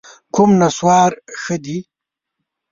کوم نسوار ښه دي؟